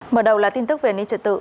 mở đầu là tin tức về ninh trợ tự